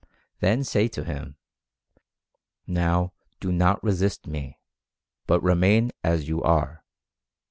Then say to him, "Now do not resist me, but remain as you are.